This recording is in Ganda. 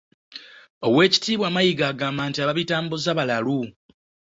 Oweekitiibwa Mayiga agamba nti ababitambuza balalu